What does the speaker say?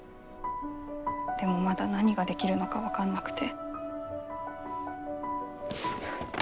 でもまだ何ができるのか分かんなくて。